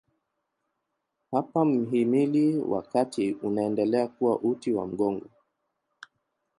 Hapa mhimili wa kati unaendelea kuwa uti wa mgongo.